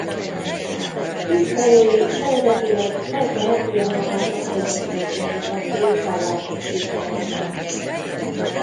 Tisztelői eredetileg feltehetően magát a hegyet részesítették vallásos tiszteletben.